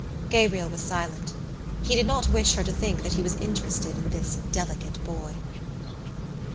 Gabriel was silent. He did not wish her to think that he was interested in this delicate boy.